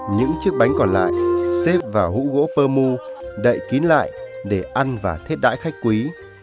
những chiếc bánh còn lại xếp vào hũ gỗ pơ mu đậy kín lại để ăn và thiết đã khách quý